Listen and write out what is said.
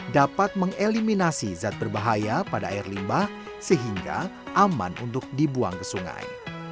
dapat mengeliminasi zat berbahaya pada air limbah sehingga aman untuk dibuang ke sungai